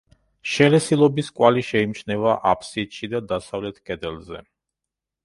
შელესილობის კვალი შეიმჩნევა აფსიდში და დასავლეთ კედელზე.